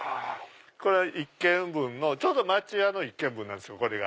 これはちょうど町家の１軒分なんですよこれが。